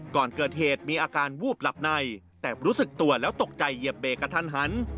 ก่อนเกิดเหตุมีอาการวูบหลับในแต่รู้สึกตัวแล้วตกใจเหยียบเบรกกระทันหัน